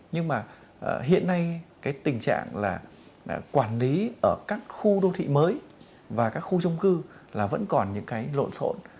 nhưng mà hiện nay cái tình trạng là quản lý ở các khu đô thị mới và các khu trung cư là vẫn còn những cái lộn rộn